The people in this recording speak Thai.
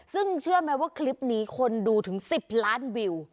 ซึ่งเชื่อไหมว่าคลิปนี้คนดูถึง๑๐ล้านวิว